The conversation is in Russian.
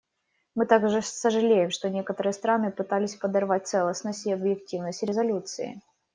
Мы также сожалеем, что некоторые страны пытались подорвать целостность и объективность резолюции.